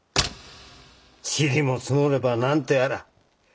ちりも積もれば何とやら。